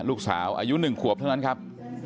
ลูกสาวอายุ๑ขวบเท่านั้นครับ